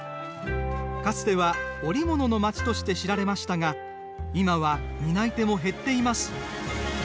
かつては織物の町として知られましたが今は担い手も減っています。